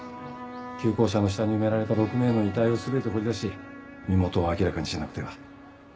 旧校舎の下に埋められた６名の遺体を全て掘り出し身元を明らかにしなくては。